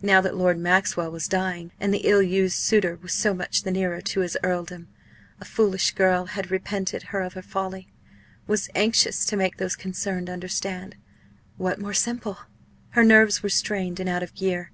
now that Lord Maxwell was dying, and the ill used suitor was so much the nearer to his earldom. A foolish girl had repented her of her folly was anxious to make those concerned understand what more simple? Her nerves were strained and out of gear.